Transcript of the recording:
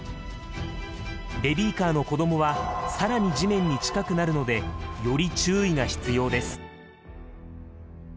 ベビーカーの子どもは更に地面に近くなるのでより注意が必要です。